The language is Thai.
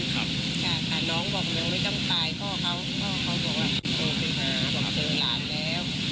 ค่ะค่ะค่ะน้องบอกทำไมว่าไม่ต้องตาย